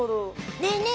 ねえねえ